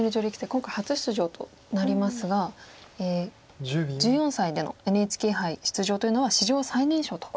今回初出場となりますが１４歳でのＮＨＫ杯出場というのは史上最年少となります。